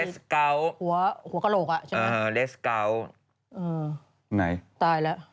หัวกะโหลกใช่ไหมครับอืมตายแล้ว